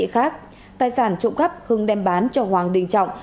khác tài sản trụng cấp hưng đem bán cho hoàng đình trọng